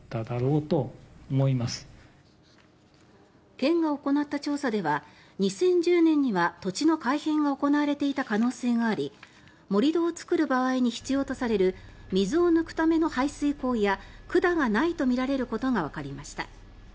県が行った調査では２０１０年には土地の改変が行われていた可能性があり盛り土を作る場合に必要とされる水を抜くための排水溝や管がないとみられることがわかりました。